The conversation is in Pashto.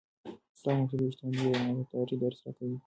پلار موږ ته د رښتینولۍ او امانتدارۍ درس راکوي.